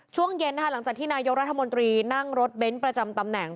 ช่วงเย็นหลังจากที่นายกรัฐมนตรีนั่งรถเบ้นประจำตำแหน่ง